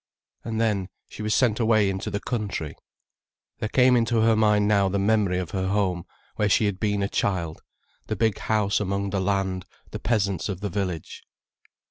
And then, she was sent away into the country. There came into her mind now the memory of her home where she had been a child, the big house among the land, the peasants of the village.